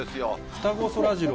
双子そらジロー。